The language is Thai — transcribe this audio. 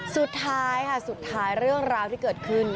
สุดท้ายค่ะสุดท้ายเรื่องราวที่เกิดขึ้น